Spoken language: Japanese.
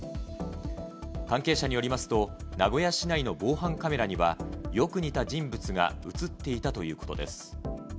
関係者によりますと、名古屋市内の防犯カメラには、よく似た人物が写っていたということです。